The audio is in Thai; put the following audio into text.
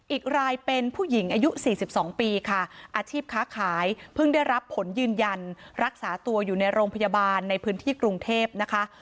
อีกรายเป็นผู้หญิงอายุ๔๒ปีค่ะอาชีพค้าขายเพิ่งได้รับผลยืนยันรักษาตัวอยู่ในโรงพยาบาลในพื้นที่กรุงเทพนะคะ